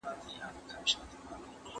حکیمانه خبري یې مشهوري دي